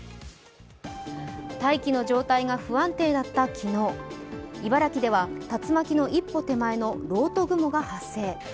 大気の状態が不安定だった昨日、茨城では竜巻の一歩手前の漏斗雲が発生。